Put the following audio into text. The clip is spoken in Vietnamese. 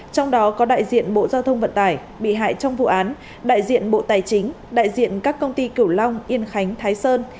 trong đó có đại diện bộ giao thông vận tải bị hại trong vụ án đại diện bộ tài chính đại diện các công ty kiểu long yên khánh thái sơn